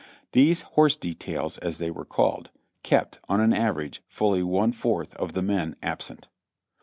These "horse details," as they were called, kept, on an average, fully one fourth of the men absent.